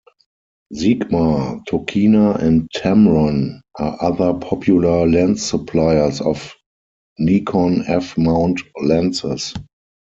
Sigma, Tokina and Tamron are other popular lens suppliers of Nikon F-mount lenses.